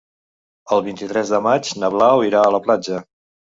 El vint-i-tres de maig na Blau irà a la platja.